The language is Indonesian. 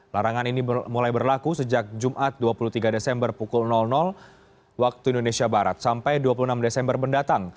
larangan ini mulai berlaku sejak jumat dua puluh tiga desember pukul waktu indonesia barat sampai dua puluh enam desember mendatang